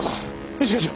一課長！